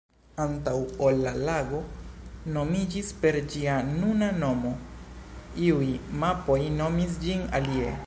Antaŭ ol la lago nomiĝis per ĝia nuna nomo, iuj mapoj nomis ĝin alie.